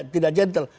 kalau tidak jentol